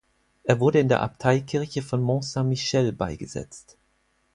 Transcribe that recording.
Er wurde in der Abteikirche von Mont-Saint-Michel beigesetzt.